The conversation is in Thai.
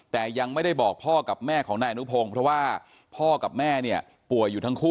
แต่ยังไม่ได้บอกพ่อกับแม่ของนายอนุพงศ์เพราะว่าพ่อกับแม่เนี่ยป่วยอยู่ทั้งคู่